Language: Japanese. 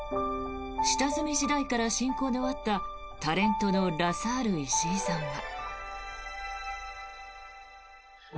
下積み時代から親交のあったタレントのラサール石井さんは。